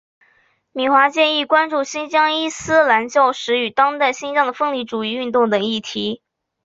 米华健亦关注新疆伊斯兰教史与当代新疆的分离主义运动等议题。